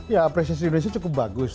ya apresiasi indonesia cukup bagus